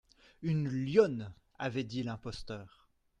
«Une lionne,» avait dit l’imposteur.